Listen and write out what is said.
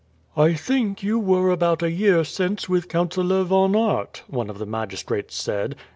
"I think you were about a year since with Councillor Von Aert?" one of the magistrates said.